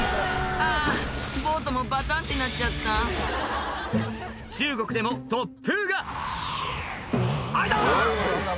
あぁボートもバタンってなっちゃった中国でも突風が「あ痛っ！」